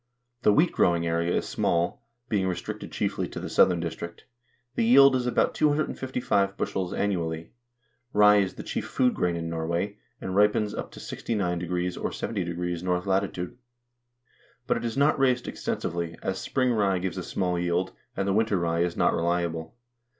The wheat growing area is small, being restricted chiefly to the southern district. The yield is about 255,000 bushels annually. Rye is the chief food grain in Norway, and ripens up to 69° or 70° N. L. But it is not raised exten sively, as spring rye gives a small yield, and the winter rye is not reliable.